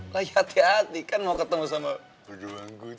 lah ya hati hati kan mau ketemu sama berdua anggota